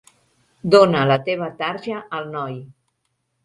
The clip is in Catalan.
Dóna la teva tarja al noi.